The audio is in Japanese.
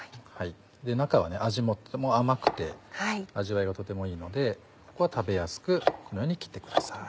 中は味もとても甘くて味わいがとてもいいのでここは食べやすくこのように切ってください。